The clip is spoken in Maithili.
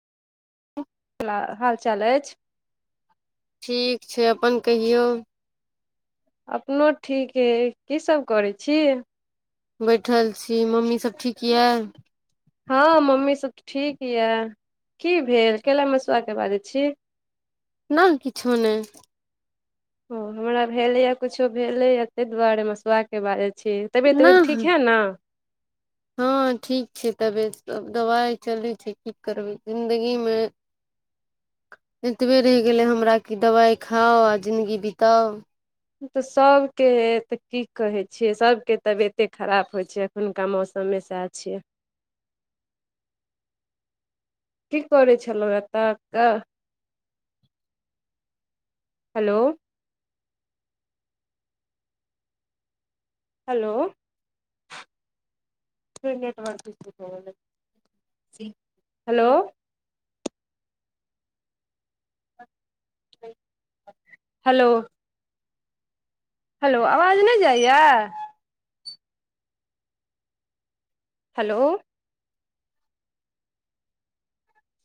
उं केना हाल चाल अछि। ठीक छैय अपन कहियौ। अपनो ठीक अइ कीसभ करै छी। बैठल छी, मम्मीसभ ठीक यै। हाँ मम्मी सब त ठीक यै की भेल कैइला मसुआके बाजै छी? नाह किछो नहि। ओ हमरा भेलेया कुछो भेलैया तहि दुआरे मसुआ के बाजै छी। तबियत उबियत ठीक है न? हाँ ठीक छैय तबियत सब दबाइ चलै छैय की करबै जिन्दगीमे [inaudible] एतबे रहि गेलै हमरा कि दवाइ खाउ आ जिंदगी बीताउ उतऽ सभके है तऽ की कहै छियै सभके तबियते खराब होइ छैय। हुनका मौसममे सएह छियै। की करै छलहुँ एतक? हेलो हेलो फेर नेटवर्क इसू भऽ गेलै। हेलो। हेलो। हेलो आवाज नै जाइये? हेलो,